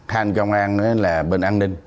hai anh công an là bên an ninh